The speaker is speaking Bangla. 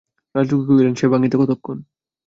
রাজলক্ষ্মী কহিলেন, সে ভাঙিতে কতক্ষণ।